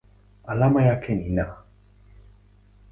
Alama yake ni Na.